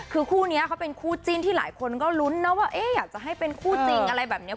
คือคู่นี้เขาเป็นคู่จิ้นที่หลายคนก็ลุ้นนะว่าอยากจะให้เป็นคู่จริงอะไรแบบนี้